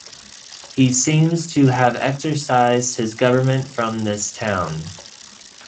He seems to have exercised his government from this town.